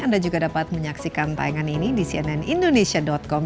anda juga dapat menyaksikan tayangan ini di cnnindonesia com